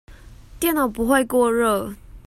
電腦不會過熱